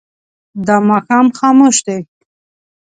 دا ماښام خاموش دی.